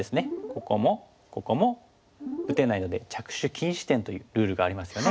ここもここも打てないので着手禁止点というルールがありますよね。